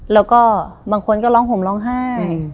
แล้วก็บางคนก็ร้องห่มร้องไห้